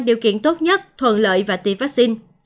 điều kiện tốt nhất thuận lợi và tiêm vaccine